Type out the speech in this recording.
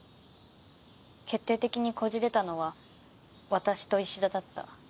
決定的にこじれたのは私と衣氏田だった。